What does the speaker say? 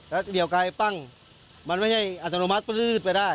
แล้วเดี๋ยวไกลปั้งมันไม่ใช่อัตโนมัติปืดไปได้